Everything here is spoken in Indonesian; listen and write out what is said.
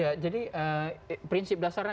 ya jadi prinsip dasarnya